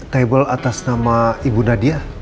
table atas nama ibu nadia